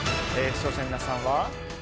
視聴者の皆さんは。